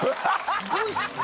すごいですね。